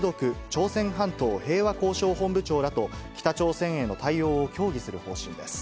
朝鮮半島平和交渉本部長らと北朝鮮への対応を協議する方針です。